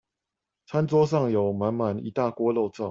餐桌上有滿滿一大鍋肉燥